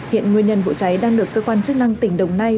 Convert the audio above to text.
hiện nguyên nhân vụ cháy đang được cơ quan chức năng tỉnh đồng nai